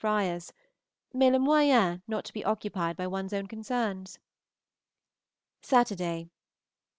Friars; mais le moyen not to be occupied by one's own concerns? _Saturday.